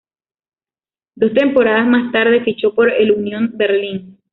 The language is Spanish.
Dos temporadas más tarde fichó por el Union Berlin.